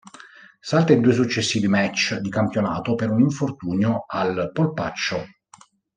Salta i due successivi match di campionato per un infortunio al polpaccio.